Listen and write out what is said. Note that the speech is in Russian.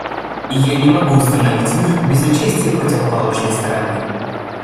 Я не могу установить мир без участия противоположной стороны.